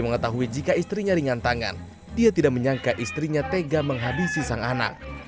mengetahui jika istrinya ringan tangan dia tidak menyangka istrinya tega menghabisi sang anak